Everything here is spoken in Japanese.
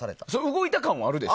動いた感はあるでしょ。